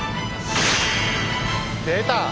出た！